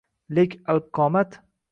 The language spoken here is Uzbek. Lek alpqomat